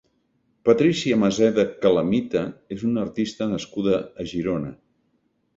Patricia Maseda Calamita és una artista nascuda a Girona.